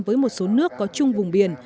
với một số nước có chung vùng biển